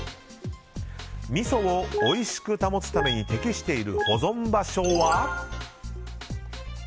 みそをおいしく保つために適している保存場所は？